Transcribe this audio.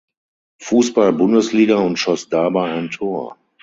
Fußball-Bundesliga und schoss dabei ein Tor.